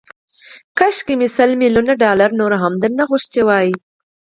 کاشکي مې سل ميليونه ډالر نور هم درنه غوښتي وای.